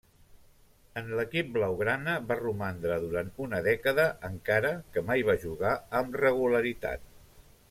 En l'equip blaugrana va romandre durant una dècada, encara que mai va jugar amb regularitat.